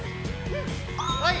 はい！